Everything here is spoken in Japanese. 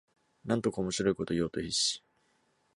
なんとか面白いことを言おうと必死